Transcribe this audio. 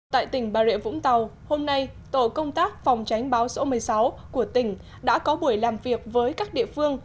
tại tỉnh bà rịa vũng tàu hôm nay tổ công tác phòng tránh bão số một mươi sáu của tỉnh đã có buổi làm việc với các địa phương